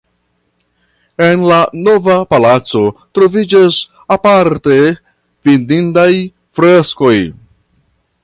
En la Nova Palaco troviĝas aparte vidindaj freskoj.